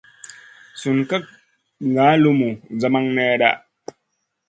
Sun ka nga lumu zamang nèda.